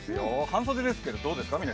半袖ですけれども、どうですか。